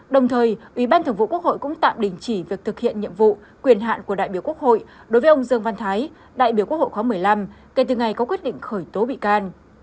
đồng thời ủy ban thường vụ quốc hội cũng tạm đình chỉ việc thực hiện nhiệm vụ quyền hạn của đại biểu quốc hội đối với ông dương văn thái đại biểu quốc hội khóa một mươi năm kể từ ngày có quyết định khởi tố bị can